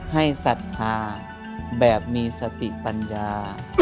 ศรัทธาแบบมีสติปัญญา